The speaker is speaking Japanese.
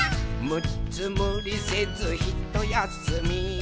「むっつむりせずひとやすみ」